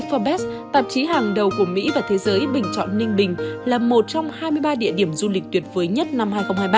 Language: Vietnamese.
forbes tạp chí hàng đầu của mỹ và thế giới bình chọn ninh bình là một trong hai mươi ba địa điểm du lịch tuyệt vời nhất năm hai nghìn hai mươi ba